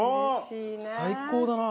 最高だな。